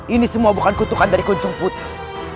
ini semua bukan kutukan dari kuncung putih